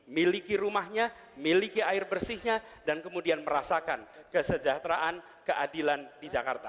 miliki rumahnya miliki air bersihnya dan kemudian merasakan kesejahteraan keadilan di jakarta